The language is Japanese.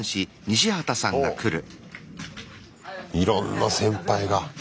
いろんな先輩が。